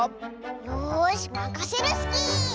よしまかせるスキー！